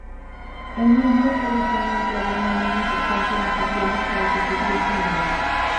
Emilio solucionó un problema muy importante en los aviones para que pudiesen volar.